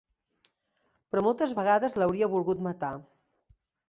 Però moltes vegades l'hauria volgut matar!